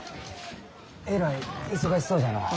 えらい忙しそうじゃのう。